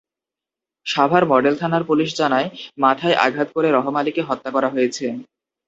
Savar model থানার police জানায়, মাথায় আঘাত করে রহম আলীকে হত্যা করা হয়েছে।